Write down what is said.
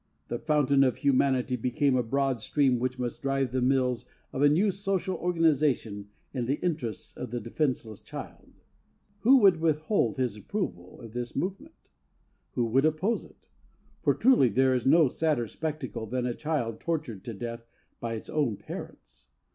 The fountain of humanity became a broad stream which must drive the mills of a new social organization in the interests of the defenceless child. Who would withhold his approval of this movement? Who would oppose it? For truly there is no sadder spectacle than a child tortured to death by its own parents.